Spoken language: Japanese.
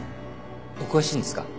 お詳しいんですか？